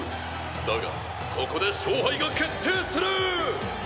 だがここで勝敗が決定する！